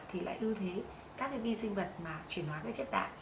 thì lại ưu thế các cái vi sinh vật mà chuyển hóa các chất đạn